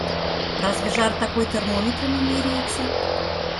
Разве жар такой термометрами меряется?!